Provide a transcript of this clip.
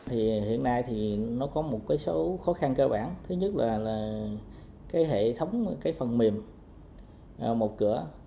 hiện nay có một số khó khăn cơ bản thứ nhất là hệ thống phần mềm một cửa